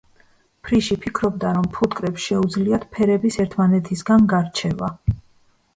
ფრიში ფიქრობდა, რომ ფუტკრებს შეუძლიათ ფერების ერთმანეთისგან გარჩევა.